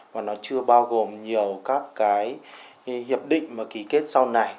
và nó chưa bao gồm nhiều các hiệp định ký kết sau này